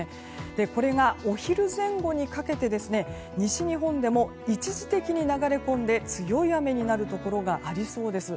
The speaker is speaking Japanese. これがお昼前後にかけて西日本でも一時的に流れ込んで強い雨になるところがありそうです。